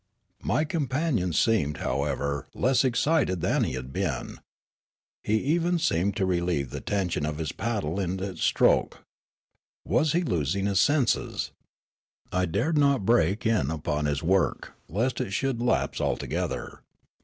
My companion seemed, however, less excited than he had been. He even seemed to relieve the tension of his paddle in its stroke. Was he losing his senses ? I dared not break in upon his work lest it should lapse altogether.